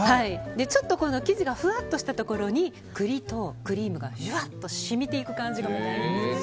ちょっと生地がふわっとしたところに栗とクリームがジュワッと染みていく感じが。